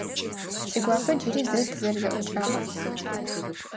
Сигуапэ джыри зэ тызэрэзэӏукӏагъэр?